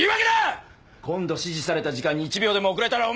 今度指示された時間に一秒でも遅れたらお前はクビだ。